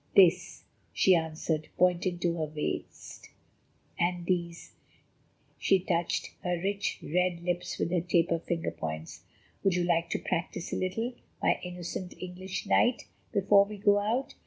"This," she answered, pointing to her waist, "and these," and she touched her rich, red lips with her taper finger points. "Would you like to practise a little, my innocent English knight, before we go out?